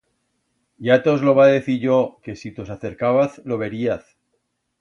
Ya tos lo va decir yo, que si tos acercábaz lo veríaz.